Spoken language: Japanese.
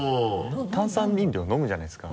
炭酸飲料飲むじゃないですか。